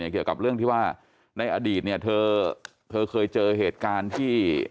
เกี่ยวกับเรื่องที่ว่าในอดีตเนี่ยเธอเคยเจอเหตุการณ์ที่